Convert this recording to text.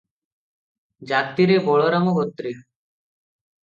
ଜାତିରେ ବଳରାମ ଗୋତ୍ରୀ ।